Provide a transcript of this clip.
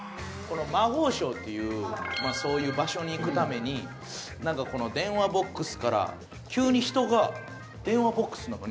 魔法省っていうそういう場所に行くために何かこの電話ボックスから急に舞台上で？